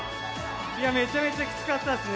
めちゃめちゃ、きつかったですね。